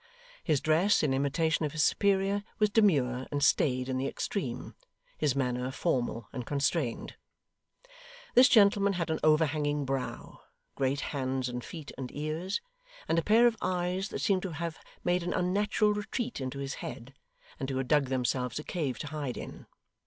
His dress, in imitation of his superior, was demure and staid in the extreme; his manner, formal and constrained. This gentleman had an overhanging brow, great hands and feet and ears, and a pair of eyes that seemed to have made an unnatural retreat into his head, and to have dug themselves a cave to hide in.